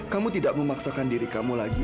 kamu tidak memaksakan diri kamu lagi